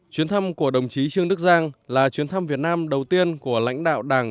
chuyến thăm của đồng chí trương đức giang là chuyến thăm việt nam đầu tiên của lãnh đạo đảng